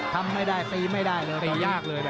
ทำไม่ได้ตีไม่ได้เลย